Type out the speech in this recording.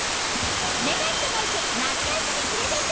『女神のマルシェ』夏休みプレゼント